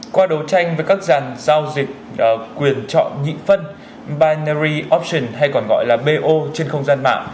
qua đấu tranh với các dàn giao dịch quyền chọn nhịn phân binary option hay còn gọi là bo trên không gian mạng